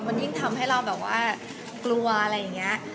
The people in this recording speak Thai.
มันยิ่งทำให้เราแบบว่ากลัวอะไรอย่างนี้